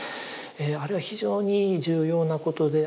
あれは非常に重要なことで。